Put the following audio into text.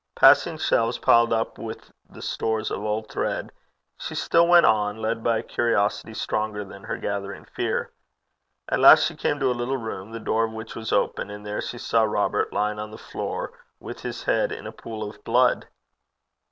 Passing shelves piled up with stores of old thread, she still went on, led by a curiosity stronger than her gathering fear. At last she came to a little room, the door of which was open, and there she saw Robert lying on the floor with his head in a pool of blood.